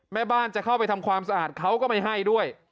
แม่บ้านจะเข้าไปทำความสะอาดเขาก็ไม่ให้ด้วย